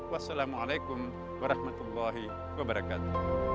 wassalamualaikum warahmatullahi wabarakatuh